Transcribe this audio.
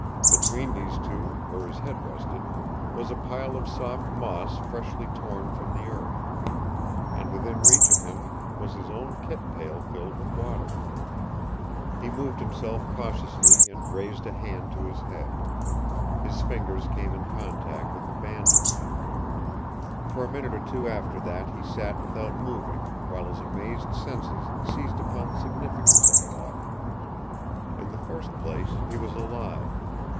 Between these two, where his head rested, was a pile of soft moss freshly torn from the earth. And within reach of him was his own kit pail filled with water. He moved himself cautiously and raised a hand to his head. His fingers came in contact with a bandage. For a minute or two after that he sat without moving while his amazed senses seized upon the significance of it all. In the first place he was alive.